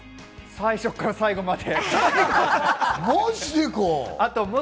最初から最後まで。